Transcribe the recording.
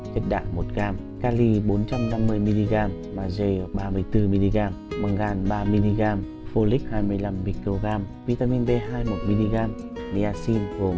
chất đạ một gam kali bốn trăm năm mươi mg mà dày ba mươi bốn mg bằng gàn ba mg folic hai mươi năm microgram vitamin b hai một mg niacin gồm